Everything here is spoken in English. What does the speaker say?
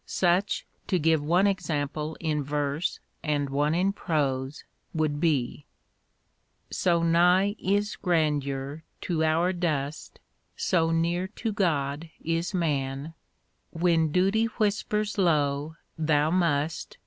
Such, to give one example in verse and one in prose, would be : So nigh is grandeur to our dust, So near to God is man, When Duty whispers low, Thou must.